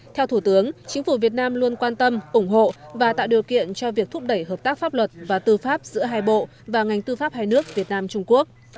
theo thủ tướng chính phủ việt nam luôn quan tâm ủng hộ và tạo điều kiện cho việc thúc đẩy hợp tác pháp luật và tư pháp giữa hai bộ và ngành tư pháp hai nước việt nam trung quốc